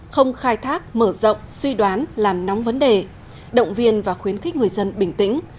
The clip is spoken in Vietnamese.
không khai thác mở rộng suy đoán làm nóng vấn đề động viên và khuyến khích người dân bình tĩnh